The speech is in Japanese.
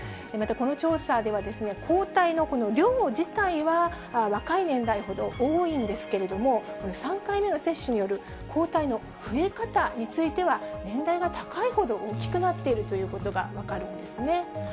またこの調査では、抗体のこの量自体は、若い年代ほど多いんですけれども、３回目の接種による抗体の増え方については年代が高いほど大きくなっているということが分かるんですね。